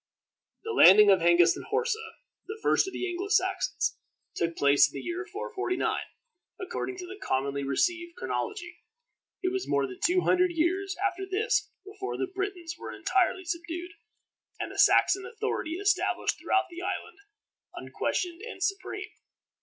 The landing of Hengist and Horsa, the first of the Anglo Saxons, took place in the year 449, according to the commonly received chronology. It was more than two hundred years after this before the Britons were entirely subdued, and the Saxon authority established throughout the island, unquestioned and supreme.